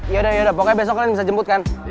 yaudah yaudah pokoknya besok kalian bisa jemput kan